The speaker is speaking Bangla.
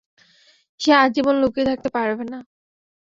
সে আজীবন লুকিয়ে থাকতে পারবে না।